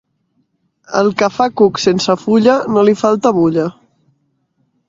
Al que fa cucs sense fulla, no li falta bulla.